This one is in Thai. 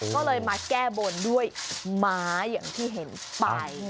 ก็เลยมาแก้บนด้วยม้าอย่างที่เห็นไป